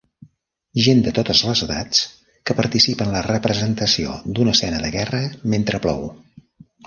Gent de totes les edats que participa en la representació d'una escena de guerra mentre plou.